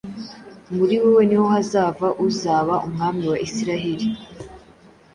muri wowe ni ho hazava uzaba umwami wa Isirayeli,